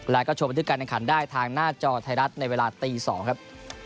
แล้วก็โชคกันด้วยกันทางหน้าจอไทยรัฐในเวลาตี๒ครับ